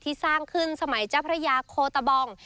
สร้างขึ้นสมัยเจ้าพระยาโคตะบอง